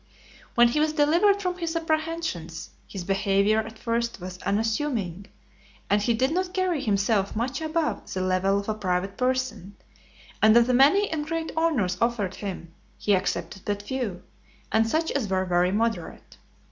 XXVI. When he was delivered from his apprehensions, his behaviour at first was unassuming, and he did not carry himself much above the level of a private person; and of the many and great honours offered him, he accepted but few, and such as were very moderate.